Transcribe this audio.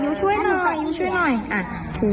อยู่ช่วยหน่อยใครหรอกอย่างงี้น